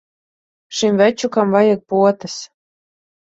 Šim večukam vajag potes.